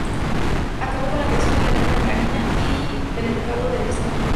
Acabó con la creación de la Terra Mariana y del ducado de Estonia.